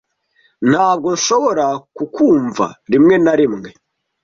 Ntabwo nshobora kukumva rimwe na rimwe.